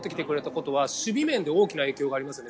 ことは守備面で大きな影響もありますね。